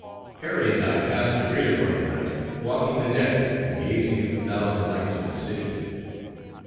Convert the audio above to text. Harry and I passed the greater part of the night walking the deck, and gazing at the thousand lights of the city.